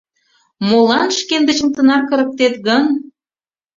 Молан шкендычым тынар кырыктет гын?